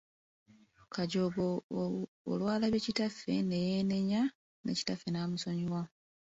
Kajooga olwalabye kitaffe ne yeenenya ne kitaffe n’amusonyiwa.